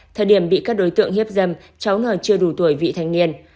thời điểm bị các đối tượng hiếp dâm cháu n chưa đủ tuổi vị thanh niên